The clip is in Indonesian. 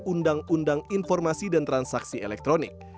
undang undang informasi dan transaksi elektronik